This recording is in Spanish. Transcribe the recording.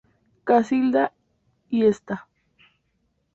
Casilda y Sta.